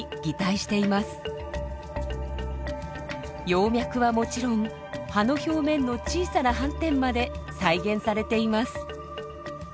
葉脈はもちろん葉の表面の小さな斑点まで再現されています。